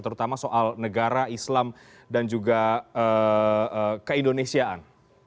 terutama soal negara islam dan juga keindonesiaan